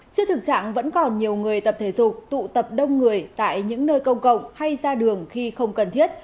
trước thực trạng vẫn còn nhiều người tập thể dục tụ tập đông người tại những nơi công cộng hay ra đường khi không cần thiết